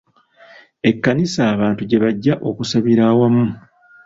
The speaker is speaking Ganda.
Ekkanisa abantu gye bajja okusabira awamu.